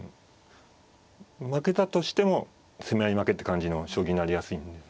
負けたとしても攻め合い負けって感じの将棋になりやすいんで。